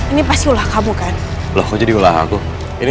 ini kesalahan kepada lo kan